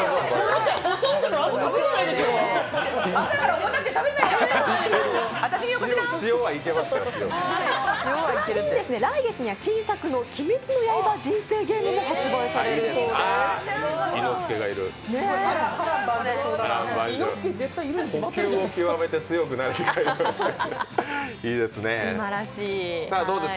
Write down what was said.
ちなみに来月には新作の「鬼滅の刃人生ゲーム」も発売されるそうです。